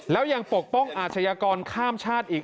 แล้วยังปกป้องอาชญากรข้ามชาติอีก